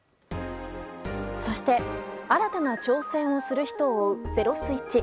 そして新たな挑戦をする人を追うｚｅｒｏｓｗｉｔｃｈ。